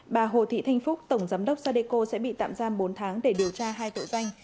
bà hồ thị thanh phúc tổng giám đốc sadeco sẽ bị tạm giam bốn tháng để điều tra hai tội danh